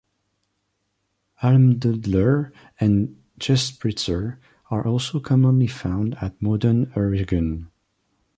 Almdudler and Gespritzer are also commonly found at modern Heurigen.